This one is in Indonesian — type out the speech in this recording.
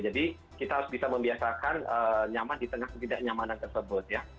jadi kita harus bisa membiasakan nyaman di tengah ketidaknyamanan tersebut ya